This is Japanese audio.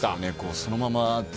そのまま。